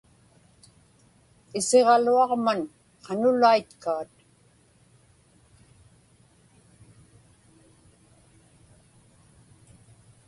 Isiġaluaġman qanulaitkaat.